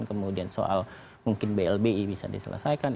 kemudian soal mungkin blbi bisa diselesaikan